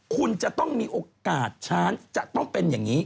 คุณจะต้องมีโอกาสช้านจะต้องเป็นอย่างนี้